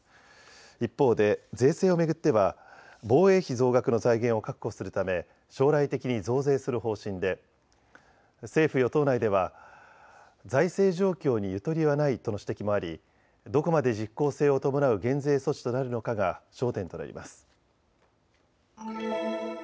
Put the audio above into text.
一方で税制を巡っては防衛費増額の財源を確保するため将来的に増税する方針で政府・与党内では財政状況にゆとりはないとの指摘もあり、どこまで実効性を伴う減税措置となるのかが焦点となります。